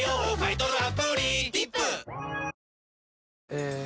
え